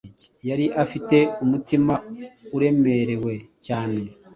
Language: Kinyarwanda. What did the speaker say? yari afite umutima uremerewe cyane